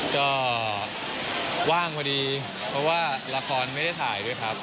ก็ว่างพอดีเพราะว่าละครไม่ได้ถ่ายด้วยครับ